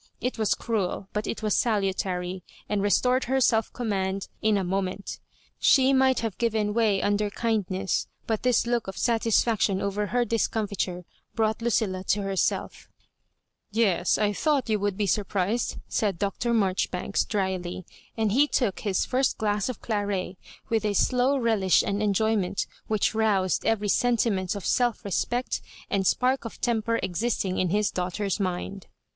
It was cruel, but it was salutary, and restored her self com mand in a moment. She might have given way under kindness, but this look of satisfaction over her discomfiture brought Lucilla to herselC " Yes, I thought you would be surprised,'* said Dr. Marjoribanks, dryly; and he took his first glass of claret with a slow relish and enjoyment, which roused every sentiment of self respect and spark of temper existing in his daughter's mind.